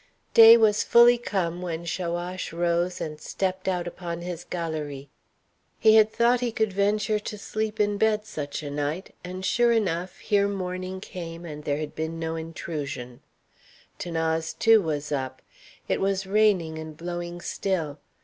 Day was fully come when Chaouache rose and stepped out upon his galérie. He had thought he could venture to sleep in bed such a night; and, sure enough, here morning came, and there had been no intrusion. 'Thanase, too, was up. It was raining and blowing still.